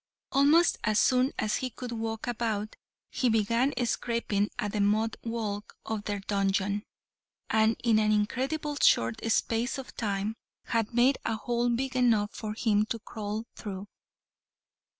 Almost as soon as he could walk about he began scraping at the mud wall of their dungeon, and in an incredibly short space of time had made a hole big enough for him to crawl through.